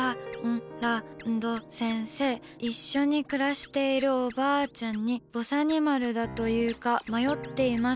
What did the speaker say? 一緒に暮らしているおばあちゃんにぼさにまるだと言うか迷っています。